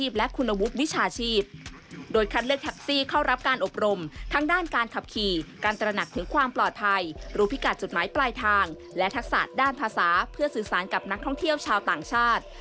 เพื่อสื่อสารกับนักท่องเที่ยวชาวต่างชาติ